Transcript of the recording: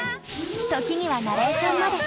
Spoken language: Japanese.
時にはナレーションまで。